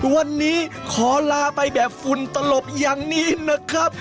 วันนี้ขอลาไปแบบฝุ่นตลบอย่างนี้นะครับ